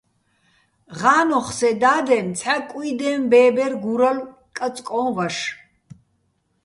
ღა́ნოხ სე და́დენ ცჰ̦ა კუ́ჲდეჼ ბე́ბერ გურალო̆ კაწკო́ჼ ვაშ.